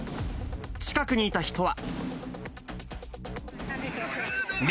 近くにいた人は。